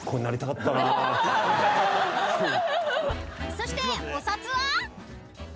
［そしてお札は？］